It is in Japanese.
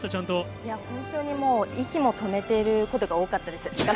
いや、本当にもう、息も止めてることが多かったです。